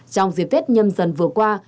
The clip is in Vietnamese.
trong dịp phép nhâm dần vừa qua